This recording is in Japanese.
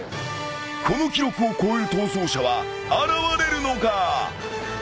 ［この記録を超える逃走者は現れるのか？］